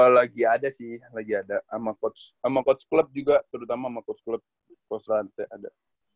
lagi ada sih lagi ada sama coach club juga terutama sama coach club coach lantai ada